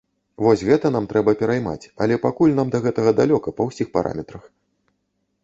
Вось гэта нам трэба пераймаць, але пакуль нам да гэтага далёка па ўсіх параметрах.